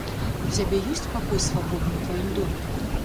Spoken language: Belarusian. У цябе ёсць пакой свабодны ў тваім доме?